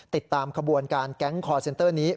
ติดตามขบวนการแก๊งคอร์เซนเตอร์นี้